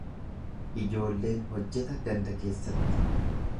Ijoolleen hojjeta ganda keessatti.